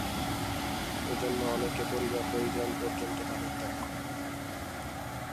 এজন্য অনেকে পরিবার-পরিজন পর্যন্ত তাদের ত্যাগ করেন।